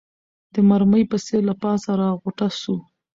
د مرمۍ په څېر له پاسه راغوټه سو